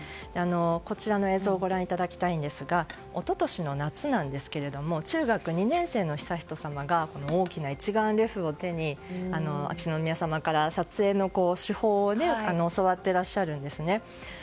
こちらの映像をご覧いただきたいんですが一昨年の夏なんですが中学２年生の悠仁さまが大きな一眼レフを手に秋篠宮さまから撮影の手法を教わっていらっしゃるんですね。